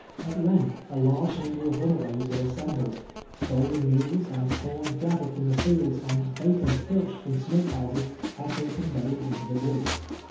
At length a large number of runaways were assembled ; stolen mules, and corn gathered from the fields, and bacon filched from smoke houses, had been conveyed into the woods.